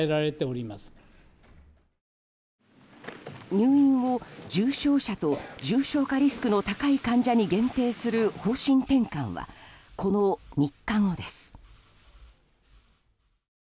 入院を重症者と重症化リスクの高い患者に限定する方針転換はこの３日後です。